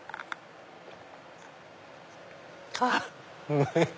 あっ！